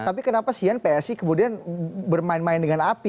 tapi kenapa sihan psi kemudian bermain main dengan api